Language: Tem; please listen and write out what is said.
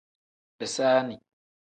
Bisaani.